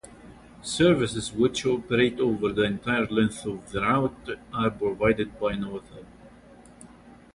Services which operate over the entire length of the route are provided by Northern.